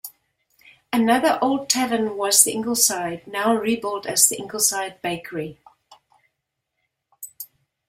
Another old tavern was the Ingleside, now rebuilt as the Ingleside bakery.